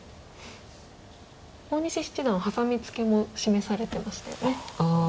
大西七段はハサミツケも示されてましたよね。